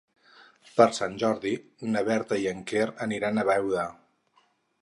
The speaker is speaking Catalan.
Per Sant Jordi na Berta i en Quer aniran a Beuda.